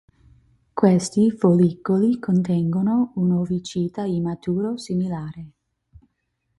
Questi follicoli contengono un ovocita immaturo similare.